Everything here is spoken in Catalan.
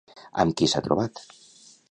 Amb qui s'ha trobat?